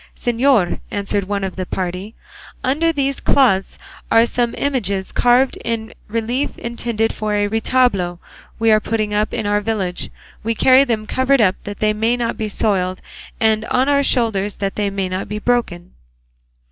"Señor," answered one of the party, "under these cloths are some images carved in relief intended for a retablo we are putting up in our village; we carry them covered up that they may not be soiled, and on our shoulders that they may not be broken."